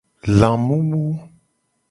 Lamumu.